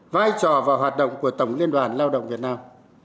vai trò và hoạt động của tổng liên đoàn lao động việt nam